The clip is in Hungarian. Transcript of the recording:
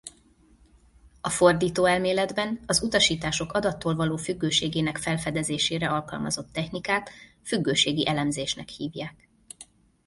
A fordítóelméletben az utasítások adattól való függőségének felfedezésére alkalmazott technikát függőségi elemzésnek hívják.